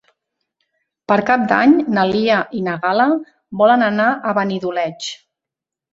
Per Cap d'Any na Lia i na Gal·la volen anar a Benidoleig.